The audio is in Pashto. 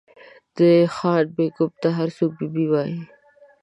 د خان بېګم ته هر څوک بي بي وایي.